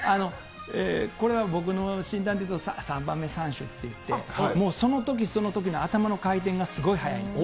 これは僕の診断ですと、っていってもうそのときそのときの頭の回転がすごい速いです。